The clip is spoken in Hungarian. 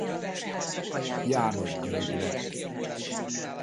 János György lett.